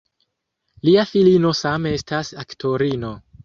Lia filino same estas aktorino.